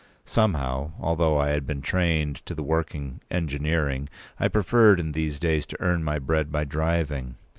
Somehow, although I had been trained to the working engineering, I preferred in these days to earn my bread by driving.